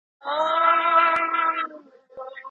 هغوی په میدان کې د بریا لپاره منډې وهلې.